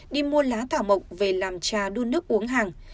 đi mua lá thảo mộc về làm trà đun nước uống hàng